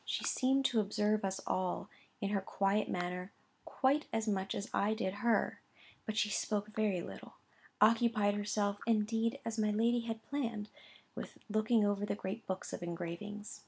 She seemed to observe us all, in her quiet manner, quite as much as I did her; but she spoke very little; occupied herself, indeed, as my lady had planned, with looking over the great books of engravings.